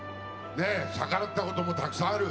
逆らったこともたくさんある。